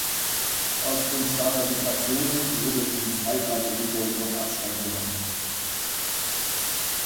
Auf Grund starker Vibrationen wurde vom Zweiblatt-Rotor jedoch Abstand genommen.